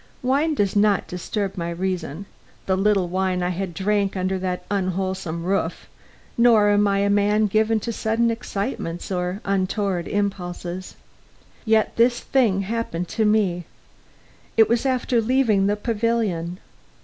Wine does not disturb my reason the little wine I drank under that unwholesome roof nor am I a man given to sudden excitements or untoward impulses. Yet this thing happened to me. It was after leaving the pavilion.